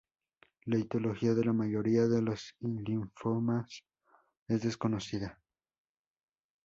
La etiología de la mayoría de los linfomas es desconocida.